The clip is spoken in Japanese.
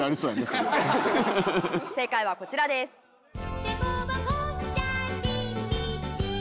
正解はこちらです。